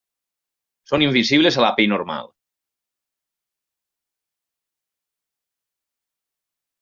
Són invisibles a la pell normal.